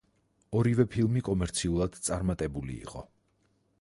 ორივე ფილმი კომერციულად წარმატებული იყო.